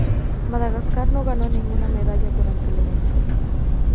Madagascar no ganó ninguna medalla durante el evento.